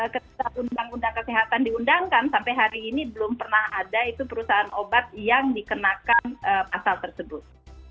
ketika undang undang kesehatan diundangkan sampai hari ini belum pernah ada itu perusahaan obat yang dikenakan pasal tersebut